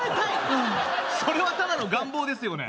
うんそれはただの願望ですよね